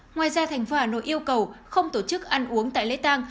ngoài ra thành phố hà nội yêu cầu không tổ chức ăn uống tại lễ tăng